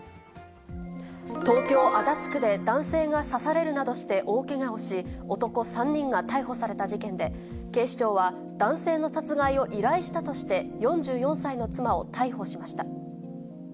東京・足立区で男性が刺されるなどして大けがをし、男３人が逮捕された事件で、警視庁は、男性の殺害を依頼したとして、４４歳の妻を逮捕しました。